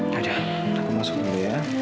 ya udah aku masuk dulu ya